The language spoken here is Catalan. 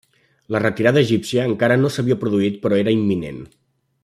La retirada egípcia encara no s'havia produït però era imminent.